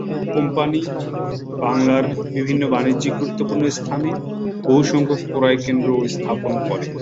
Company বাংলার বিভিন্ন বাণিজ্যিক গুরুত্বপূর্ণ স্থানে বহুসংখ্যক ক্রয়কেন্দ্র স্থাপন করে।